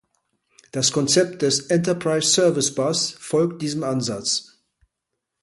Das Konzept des "Enterprise Service Bus" folgt diesem Ansatz.